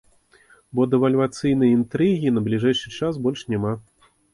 Бо дэвальвацыйнай інтрыгі на бліжэйшы час больш няма.